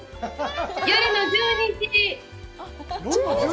夜の１２時！